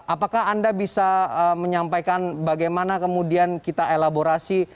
apakah anda bisa menyampaikan bagaimana kemudian kita elaborasi